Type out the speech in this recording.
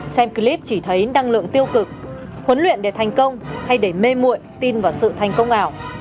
xem clip chỉ thấy năng lượng tiêu cực huấn luyện để thành công hay để mê mụi tin vào sự thành công ảo